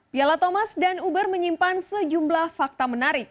piala thomas dan uber menyimpan sejumlah fakta menarik